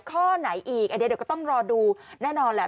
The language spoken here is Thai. ข้อไหนอีกไอ้เดี๋ยวก็ต้องรอดูแน่นอนแล้ว